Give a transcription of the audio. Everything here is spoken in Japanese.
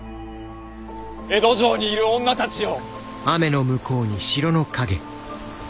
江戸城にいる女たちよ。